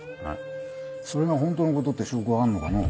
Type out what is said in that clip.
それがホントのことって証拠はあんのかの？